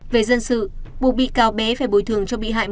về dân sự buộc bị cáo bé phải bồi thường cho bị hại